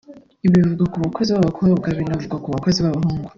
Ibi bivugwa ku bakozi b’abakobwa binavugwa ku bakozi b’ababahungu